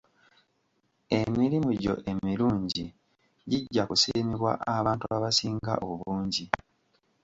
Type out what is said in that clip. Emirimu gyo emirungi gijja kusiimibwa abantu abasinga obungi.